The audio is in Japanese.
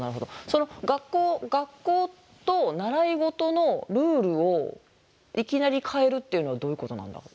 その学校と習い事のルールをいきなり変えるっていうのはどういうことなんだろう？